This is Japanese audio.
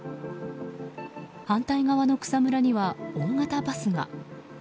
反対側の草むらには大型バスが。